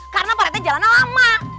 karena parete jalannya lama